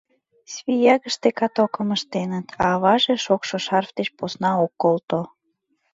Свиягыште катокым ыштеныт, а аваже шокшо шарф деч посна ок колто.